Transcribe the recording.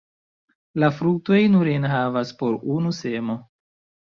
La fruktoj nur enhavas po unu semo.